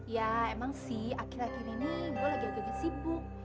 ya emang sih akhir akhir ini gua lagi lagi sibuk